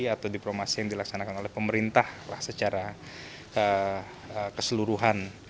atau diplomasi yang dilaksanakan oleh pemerintah secara keseluruhan